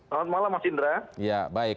selamat malam mas indra